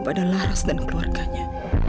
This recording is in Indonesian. pada laras dan keluarganya